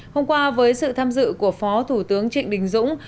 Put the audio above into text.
hôm qua với sự tham dự của phó thủ tướng trịnh đình dũng